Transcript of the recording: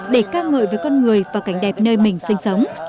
để ca ngợi với con người và cảnh đẹp nơi mình sinh sống